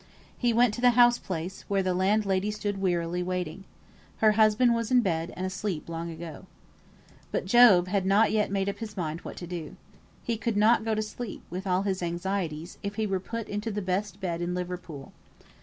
He went to the house place, where the landlady stood wearily waiting. Her husband was in bed, and asleep long ago. But Job had not yet made up his mind what to do. He could not go to sleep, with all his anxieties, if he were put into the best bed in Liverpool.